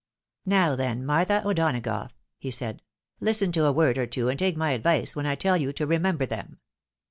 "Now, then, Martha O'Donagough," he said, "listen to a word or two, and take my advice when I teU you to remember them.